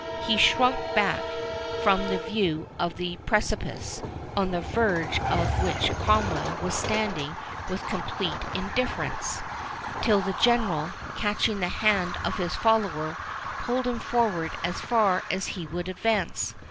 He shrunk back from the view of the precipice, on the verge of which Cromwell was standing with complete indifference, till the General, catching the hand of his follower, pulled him forward as far as he would advance.